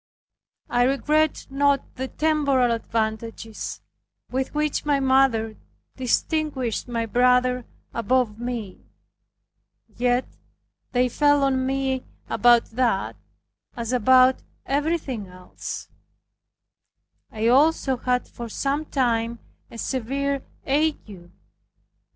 I regretted not the temporal advantages with which my mother distinguished my brother above me. Yet they fell on me about that, as about everything else. I also had for some time a severe ague.